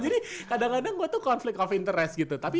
jadi kadang kadang gue tuh konflik of interest gitu